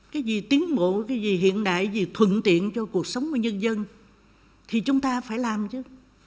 cái gì tiến bộ cái gì hiện đại gì thuận tiện cho cuộc sống của nhân dân thì chúng ta phải làm chứ